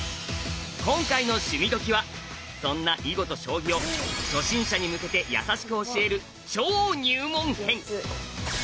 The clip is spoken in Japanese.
今回の「趣味どきっ！」はそんな囲碁と将棋を初心者に向けて優しく教える超入門編！